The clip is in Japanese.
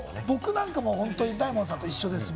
僕なんかも大門さんと一緒です。